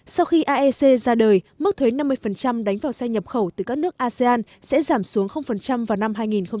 sau khi asean ra đời mức thuế năm mươi đánh vào xe nhập khẩu từ các nước asean sẽ giảm xuống vào năm hai nghìn một mươi tám